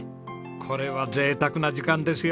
これは贅沢な時間ですよ。